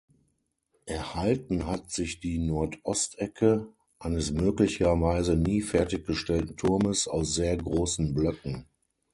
Erhalten hat sich die Nordostecke eines möglicherweise nie fertiggestellten Turmes aus sehr grossen Blöcken.